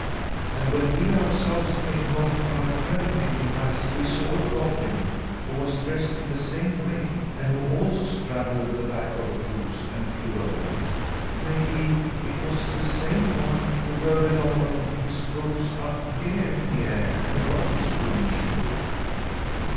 And when we ourselves came home to our cabin, little Mats, we saw a goblin who was dressed in the same way, and who also straddled the back of a goose and flew away. Maybe it was the same one who rode along on his goose up here in the air and dropped his wooden shoe."